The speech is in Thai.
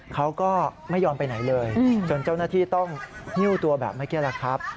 เขาก็ไม่ยอมไปไหนเลยจนเจ้าหน้าที่ต้องหิ้วตัวแบบเมื่อกี้แหละครับ